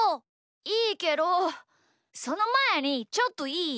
いいけどそのまえにちょっといい？